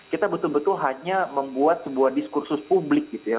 kita betul betul hanya membuat sebuah diskursus publik gitu ya